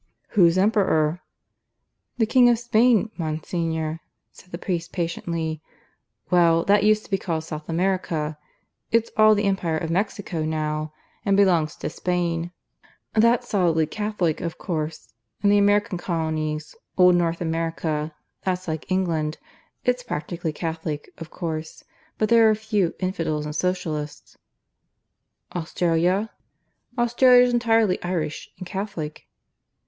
"Who's Emperor?" "The King of Spain, Monsignor," said the priest patiently. "Well, that used to be called South America. It's all the Empire of Mexico now, and belongs to Spain. That's solidly Catholic, of course. And the American Colonies old North America that's like England. It's practically Catholic, of course; but there are a few infidels and Socialists." "Australia?" "Australia's entirely Irish, and Catholic."